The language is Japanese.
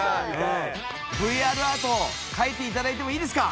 ＶＲアートを描いていただいてもいいですか？